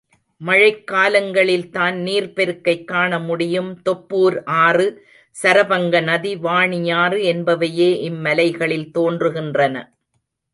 மழைக்காலங்களில்தான் நீர்ப் பெருக்கைக் காண முடியும் தொப்பூர் ஆறு சரபங்க நதி வாணியாறு என்பவையே இம்மலைகளில் தோன்றுகின்றன.